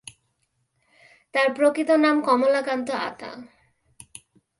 তাঁর প্রকৃত নাম কমলাকান্ত আতা।